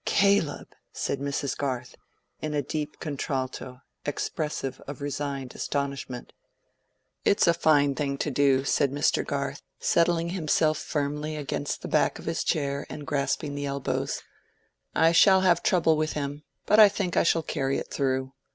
"Caleb!" said Mrs. Garth, in a deep contralto, expressive of resigned astonishment. "It's a fine thing to do," said Mr. Garth, settling himself firmly against the back of his chair, and grasping the elbows. "I shall have trouble with him, but I think I shall carry it through.